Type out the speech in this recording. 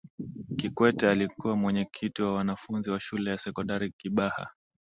kikwte alikuwa mwenyekiti wa wanafunzi wa shule ya sekondari kibaha